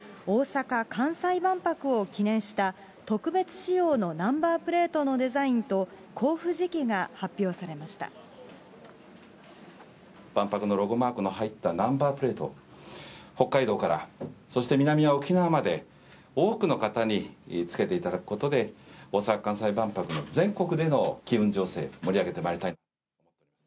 きょう、２０２５年に開催する大阪・関西万博を記念した、特別仕様のナンバープレートのデザインと、万博のロゴマークの入ったナンバープレートを、北海道からそして南は沖縄まで多くの方につけていただくことで、大阪・関西万博の全国での機運醸成、盛り上げてまいりたい。